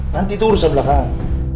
nanti itu urusan belakang